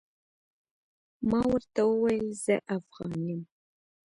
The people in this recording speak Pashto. ما ورته وويل زه افغان يم.